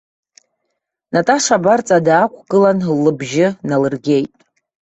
Наташа абарҵа даақәгылан лыбжьы налыргеит.